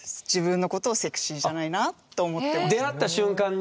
私が出会った瞬間に？